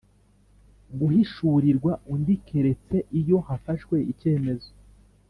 guhishurirwa undi keretse iyo hafashwe icyemezo